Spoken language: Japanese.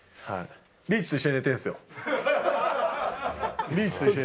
リーチと一緒に寝てるんすよ。